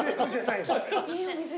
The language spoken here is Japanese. いいお店。